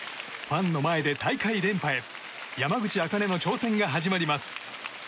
ファンの前で大会連覇へ山口茜の挑戦が始まります。